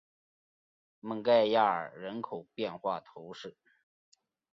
蒙盖亚尔人口变化图示